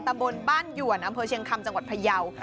ตะบลบ้านหยั่วนำเพลิงเชียงคำจังหวัดพายาว